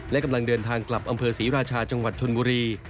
และกำลังเดินทางกลับอำเภอศรีราชาจังหวัดชนบุรี